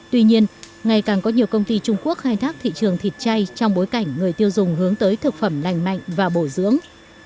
tuy nhiên ngày càng có nhiều công ty trung quốc khai thác thị trường thịt chay trong bối cảnh người tiêu dùng hướng tới thực phẩm lành mạnh và bổ dưỡng